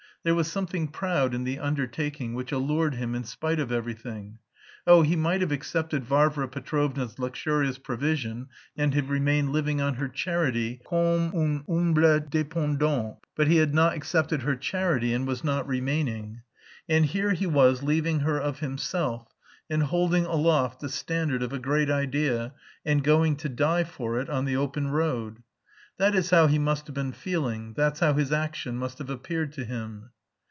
There was something proud in the undertaking which allured him in spite of everything. Oh, he might have accepted Varvara Petrovna's luxurious provision and have remained living on her charity, "comme un humble dependent." But he had not accepted her charity and was not remaining! And here he was leaving her of himself, and holding aloft the "standard of a great idea, and going to die for it on the open road." That is how he must have been feeling; that's how his action must have appeared to him.